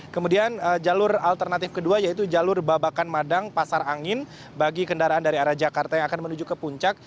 kemudian jalur alternatif kedua yaitu jalur babakan madang pasar angin bagi kendaraan dari arah jakarta yang akan menuju ke puncak